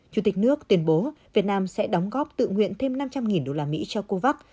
chủ tịch nước tuyên bố việt nam sẽ đóng góp tự nguyện thêm năm trăm linh usd cho covax